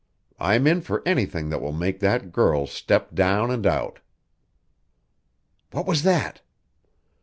I'm in for anything that will make that girl step down and out. What was that!"